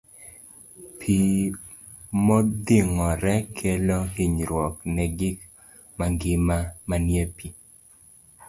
Pi modhing'ore kelo hinyruok ne gik mangima manie pi.